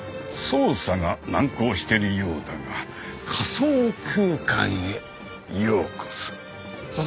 捜査が難航しているようだが仮想空間へようこそ。